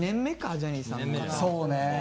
そうね。